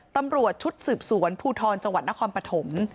ตำรวจชุดสืบสวนภูทรจังหวัดนครปฐม